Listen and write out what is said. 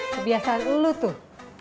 kebiasaan lo tuh